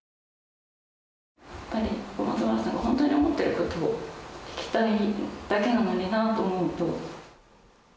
小松原さんがほんとに思ってることを聞きたいだけなのになと思うと。